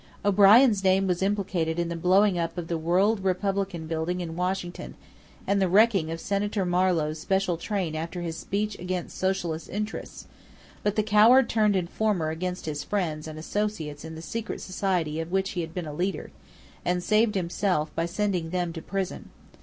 O'Brien's name was implicated in the blowing up of the World Republican Building in Washington, and the wrecking of Senator Marlowe's special train after his speech against socialist interests, but the coward turned informer against his friends and associates in the secret society of which he had been a leader, and saved himself by sending them to prison.